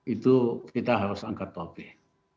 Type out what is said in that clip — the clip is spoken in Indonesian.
itu kita harus angkat topik